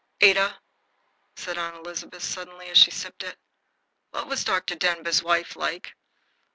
"Ada," said Aunt Elizabeth, suddenly, as she sipped it, "what was Dr. Denbigh's wife like?"